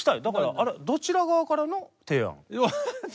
だからあれどちら側からの提案？